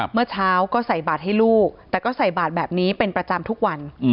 เมื่อเช้าก็ใส่บาทให้ลูกแต่ก็ใส่บาทแบบนี้เป็นประจำทุกวัน